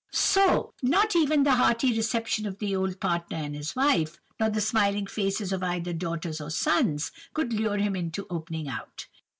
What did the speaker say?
"So, not even the hearty reception of the old partner and his wife, nor the smiling faces of either daughters or sons, could lure him into opening out.